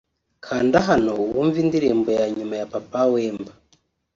Kanda hano wumve indirimbo ya nyuma ya Papa Wemba